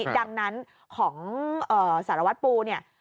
ดังนั้นของสารวัตรปูเนี่ย